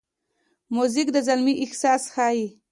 موزیک د زلمي احساس ښيي.